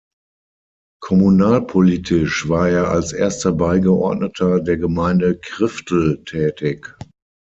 Kommunalpolitisch war er als Erster Beigeordneter der Gemeinde Kriftel tätig.